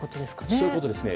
そういうことですね。